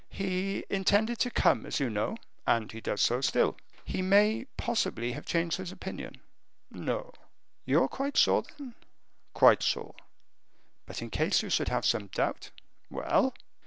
"He intended to come, as you know." "And he does so still." "He may possibly have changed his opinion." "No." "You are quite sure, then?" "Quite sure." "But in case you should have some doubt." "Well!"